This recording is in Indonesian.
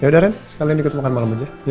yaudah ren sekalian ikut makan malam aja